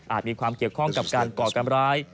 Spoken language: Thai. มีความเกี่ยวข้องกับการก่อการร้าย